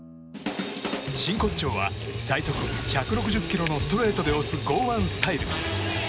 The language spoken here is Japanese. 真骨頂は最速１６０キロのストレートで押す剛腕スタイル。